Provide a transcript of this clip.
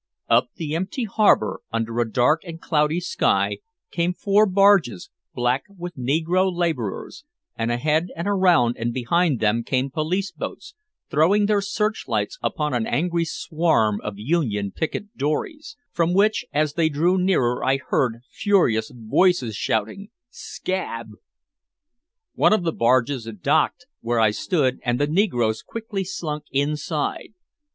Up the empty harbor, under a dark and cloudy sky, came four barges, black with negro laborers, and ahead and around and behind them came police boats throwing their searchlights upon an angry swarm of union picket dories, from which as they drew nearer I heard furious voices shouting, "Scab!" One of the barges docked where I stood and the negroes quickly slunk inside.